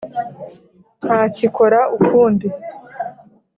Ntacyikora ukundi,